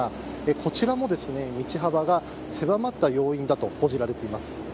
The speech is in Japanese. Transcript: こちらも道幅が狭まった要因だと報じられています。